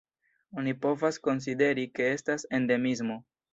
Oni povas konsideri, ke estas endemismo.